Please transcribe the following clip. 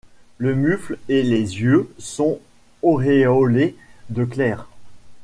Le mufle et les yeux sont auréolées de clair.